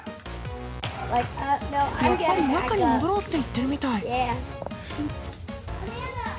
やっぱり中に戻ろうって言ってるみたい。